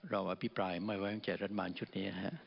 เราอภิพลายไม่แว่งใจภรรณาภิมศาชนแบบนี้